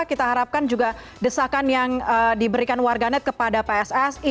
kita harapkan juga desakan yang diberikan warganet kepada pssi